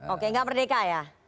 oke gak merdeka ya